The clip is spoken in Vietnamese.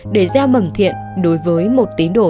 để gieo mẩm thiện đối với một tín đổ